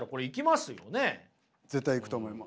絶対行くと思います。